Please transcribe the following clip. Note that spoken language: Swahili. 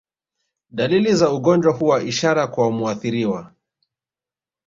Dalili za ugonjwa huwa ishara kwa muathiriwa